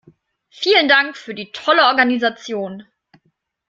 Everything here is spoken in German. Vielen Dank für die tolle Organisation.